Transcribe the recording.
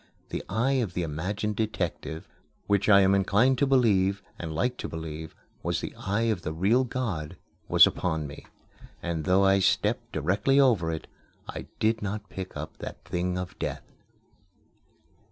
The eye of the imagined detective, which, I am inclined to believe, and like to believe, was the eye of the real God, was upon me; and though I stepped directly over it, I did not pick up that thing of death.